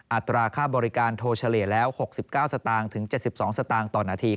อัตราค่าบริการโทรเฉลี่ยแล้ว๖๙สตางค์ถึง๗๒สตางค์ต่อนาที